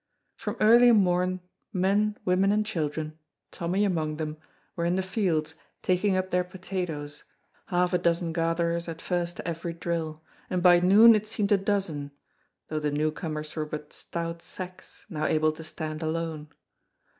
From early morn men, women and children (Tommy among them) were in the fields taking up their potatoes, half a dozen gatherers at first to every drill, and by noon it seemed a dozen, though the new comers were but stout sacks, now able to stand alone.